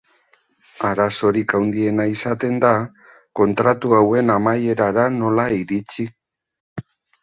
Arazorik handiena izaten da kontratu hauen amaierara nola iritsi.